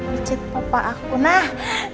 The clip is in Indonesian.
wajit papa aku nah